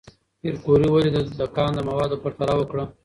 پېیر کوري ولې د کان د موادو پرتله وکړه؟